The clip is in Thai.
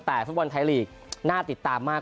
แต่ฟุตบอลไทยลีกน่าติดตามมาก